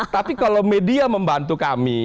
tapi kalau media membantu kami